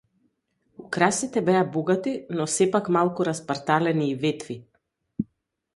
Украсите беа богати, но сепак малку распарталени и ветви.